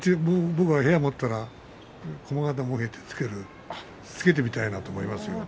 僕は部屋を持ったら駒形茂兵衛付けてみたいなと思いますけどね。